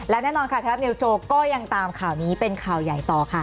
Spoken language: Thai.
และแน่นอนค่ะไทยรัฐนิวสโชว์ก็ยังตามข่าวนี้เป็นข่าวใหญ่ต่อค่ะ